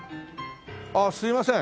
あっすいません。